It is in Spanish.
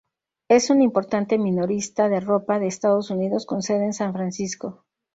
Es un importante minorista de ropa de Estados Unidos, con sede en San Francisco.